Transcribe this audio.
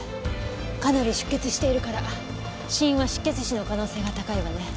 かなり出血しているから死因は失血死の可能性が高いわね。